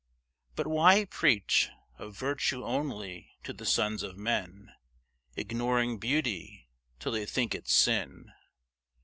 But why preach Of virtue only to the sons of men, Ignoring beauty, till they think it sin?